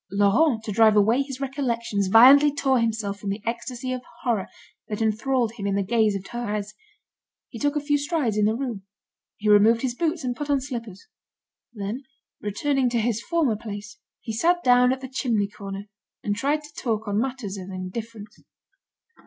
Laurent, to drive away his recollections, violently tore himself from the ecstasy of horror that enthralled him in the gaze of Thérèse. He took a few strides in the room; he removed his boots and put on slippers; then, returning to his former place, he sat down at the chimney corner, and tried to talk on matters of indifference.